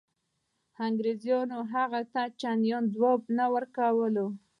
انګرېزانو هغه ته چنداني ځواب ورنه کړ.